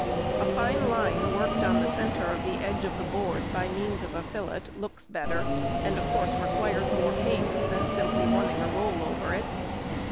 A fine line worked on the centre of the edge of the board by means of a fillet looks better, and of course requires more pains than simply running a roll over it.